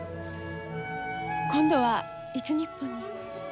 今度はいつ日本に？